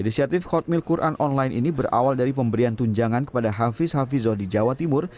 inisiatif khotmil quran online ini berawal dari pemberian tunjangan kepada hafiz hafizoh di jawa timur